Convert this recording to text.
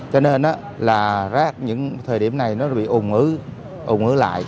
cho nên là rác những thời điểm này nó bị ủng